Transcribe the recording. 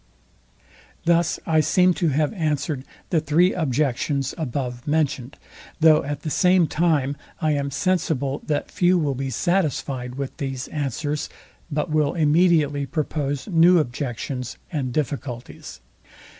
Thus I seem to have answered the three objections above mentioned; though at the same time I am sensible, that few will be satisfyed with these answers, but will immediately propose new objections and difficulties.